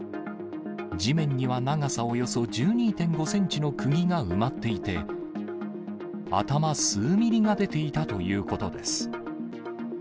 地面には長さおよそ１２．５センチのくぎが埋まっていて、頭数ミリが出ていたということです。